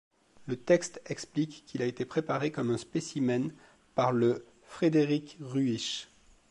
Le texte explique qu'il a été préparé comme un spécimen par le Frédéric Ruysch.